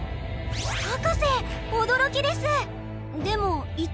博士驚きです！